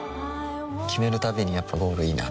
決めるたびにやっぱゴールいいなってふん